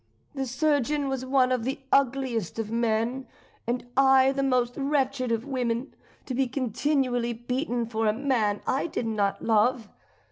The surgeon was one of the ugliest of men, and I the most wretched of women, to be continually beaten for a man I did not love.